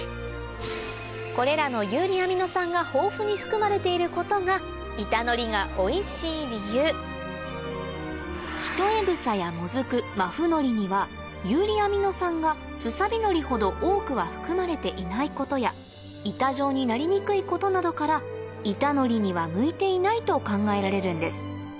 これらの遊離アミノ酸が豊富に含まれていることが板のりがおいしい理由ヒトエグサやモズクマフノリには遊離アミノ酸がスサビノリほど多くは含まれていないことや板状になりにくいことなどから板のりには向いていないと考えられるんです